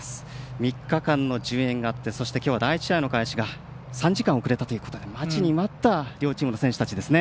３日間の順延があってそしてきょうは第１試合の開始が３時間遅れたということで待ちに待った選手たちですね。